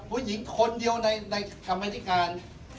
ผู้หญิงคนเดียวในกรรมธิการ